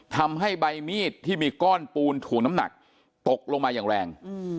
ทำให้ใบมีดที่มีก้อนปูนถ่วงน้ำหนักตกลงมาอย่างแรง